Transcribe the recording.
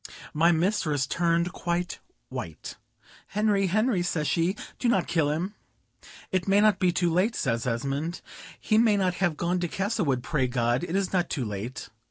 My mistress turned quite white, "Henry, Henry," says she, "do not kill him." "It may not be too late," says Esmond; "he may not have gone to Castlewood; pray God, it is not too late."